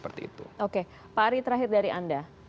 pak ari terakhir dari anda